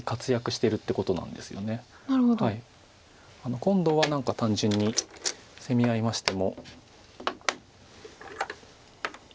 今度は何か単純に攻め合いましても。